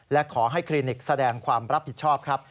และขอให้คลินิกแสดงความรับผิดชอบครับ